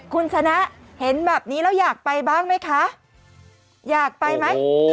คุณชนะเห็นแบบนี้แล้วอยากไปบ้างไหมคะอยากไปไหม